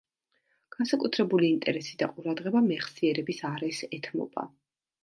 განსაკუთრებული ინტერესი და ყურადღება მეხსიერების არეს ეთმობა.